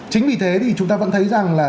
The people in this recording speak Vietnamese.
chính vì thế thì chúng ta vẫn thấy rằng là